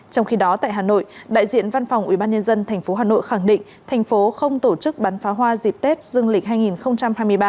trong khi đó tại hà nội đại diện văn phòng ubnd tp hcm khẳng định thành phố không tổ chức bán phá hoa dịp tết dương lịch hai nghìn hai mươi ba